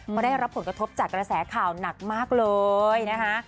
เพราะได้รับผลกระทบจากกระแสข่าวหนักมากเลยนะคะ